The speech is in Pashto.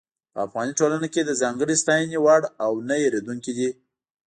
په افغاني ټولنه کې د ځانګړې ستاينې وړ او نۀ هېرېدونکي دي.